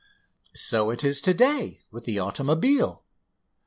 So it is to day with the automobile.